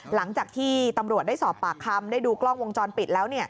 หลังจากที่ตำรวจได้สอบปากคำได้ดูกล้องวงจรปิดแล้ว